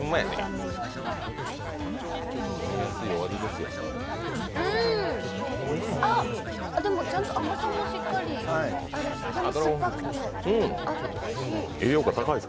でもちゃんと甘さもしっかりあるし、でも酸っぱくて、おいしい！